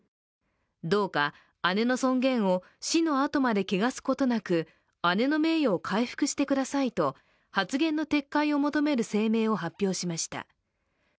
どうか姉の尊厳を死のあとまで汚すことなく姉の名誉を回復してくださいと発言の撤回を求める声明を発表しました。